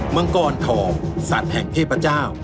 มังกรทองสัตว์แห่งเทพเจ้า